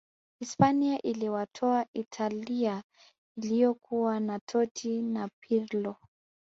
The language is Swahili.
hispania iliwatoa italia iliyokuwa na totti na pirlo